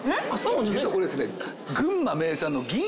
実はこれですね。